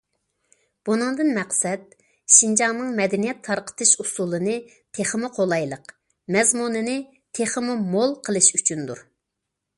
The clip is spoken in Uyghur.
بۇنىڭدىن مەقسەت، شىنجاڭنىڭ مەدەنىيەت تارقىتىش ئۇسۇلىنى تېخىمۇ قولايلىق، مەزمۇنىنى تېخىمۇ مول قىلىش ئۈچۈندۇر.